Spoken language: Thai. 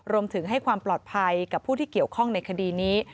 รวมถึงให้ความปลอดภัยกับผู้ที่เกี่ยวข้องในคดีนี้